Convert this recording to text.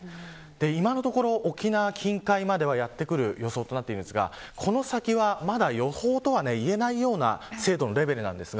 今のところ沖縄近海まではやってくる予想ですがこの先は、まだ予報とは言えないような精度のレベルです。